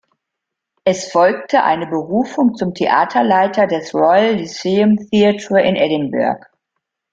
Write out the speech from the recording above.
Es folgte eine Berufung zum Theaterleiter des Royal Lyceum Theatre in Edinburgh.